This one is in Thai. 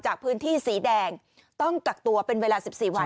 จากพื้นที่สีแดงต้องกักตัวเป็นเวลา๑๔วัน